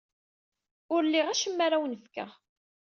Ur liɣ acemma ara awen-fkeɣ.